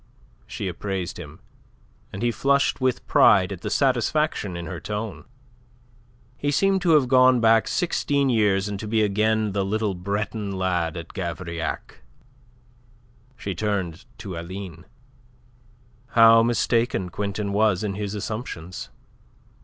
She appraised him, and he flushed with pride at the satisfaction in her tone. He seemed to have gone back sixteen years, and to be again the little Breton lad at Gavrillac. She turned to Aline. "How mistaken Quintin was in his assumptions.